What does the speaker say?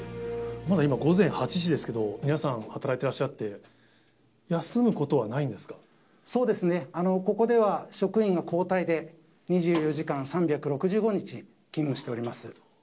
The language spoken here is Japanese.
まだ今、午前８時ですけど、皆さん、働いてらっしゃって、休むことはそうですね、ここでは職員が交代で、２４時間３６５日、勤務しております。